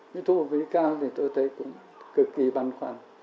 thu hút vi cao thì tôi thấy cũng cực kỳ băn khoăn